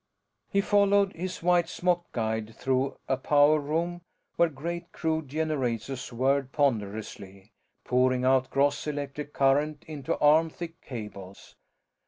He followed his white smocked guide through a power room where great crude generators whirred ponderously, pouring out gross electric current into arm thick cables.